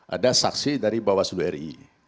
ada saksi dari bawah seluruh ri